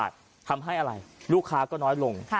ทำให้อะไรลูกค้าก็น้อยลง